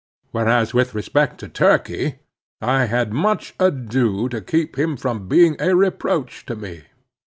Whereas with respect to Turkey, I had much ado to keep him from being a reproach to me.